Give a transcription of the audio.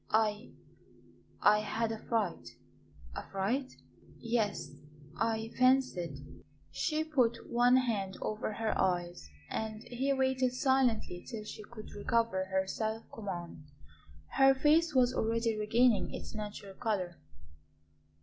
I I had a fright " "A fright?" "Yes; I fancied " She put one hand over her eyes, and he waited silently till she should recover her self command. Her face was already regaining its natural colour.